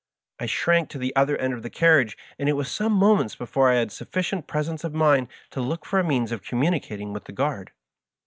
I shrank to the other end of the carriage, and it was some moments before I had sufEicient presence of mind to look for a means of communicating with the guard.